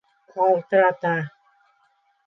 Ҡалтырата.